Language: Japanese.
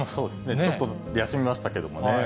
ちょっと休みましたけどもね。